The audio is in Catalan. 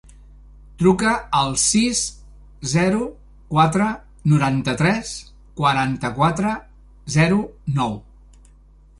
Truca al sis, zero, quatre, noranta-tres, quaranta-quatre, zero, nou.